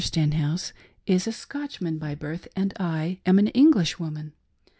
Stenhouse is a Scotchman by birth, and I am an Englishwoman.